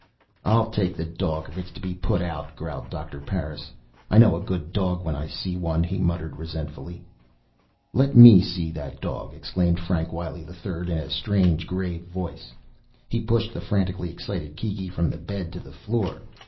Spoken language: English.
"I'll take the dog, if it's to be put out," growled Doctor Parris. "I know a good dog when I see one," he muttered resentfully. "Let me see that dog!" exclaimed Frank Wiley III in a strangely grave voice. He pushed the frantically excited Kiki from the bed to the floor.